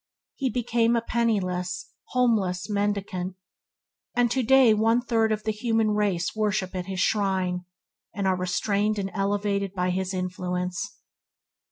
He became a penniless, homeless mendicant, and to day one third of the human race worship at his shrine, and are restrained and elevated by his influence.